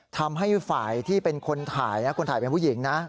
ทำให้ฝ่ายที่เป็นคนถ่ายนะคนถ่ายเป็นผู้หญิงนะ